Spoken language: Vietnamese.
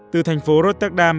từ thành phố rotterdam